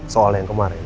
soalnya yang kemarin